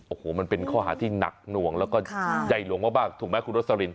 โอ้โหมันเป็นข้อหาที่หนักหน่วงแล้วก็ใยหลวงมาบ้างถูกไหมคุณโรสลิน